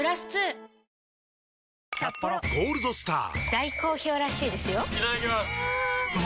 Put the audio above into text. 大好評らしいですよんうまい！